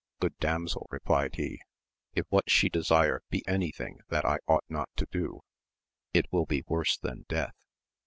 Good damsel, replied he, if what she desire be anything that I ought not to do, it will be worse than death.